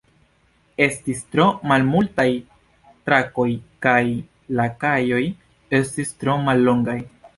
Estis tro malmultaj trakoj kaj la kajoj estis tro mallongaj.